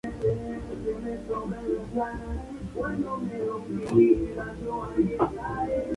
Romería en la ermita Santa Bárbara, situada en las inmediaciones del municipio.